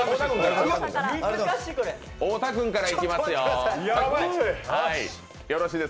太田君からいきますよ。